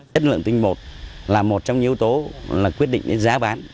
chất lượng tinh một là một trong những yếu tố quyết định giá bán